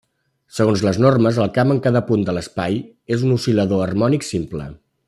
Segons les normes, el camp en cada punt de l'espai és un oscil·lador harmònic simple.